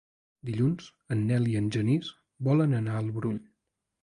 Dilluns en Nel i en Genís volen anar al Brull.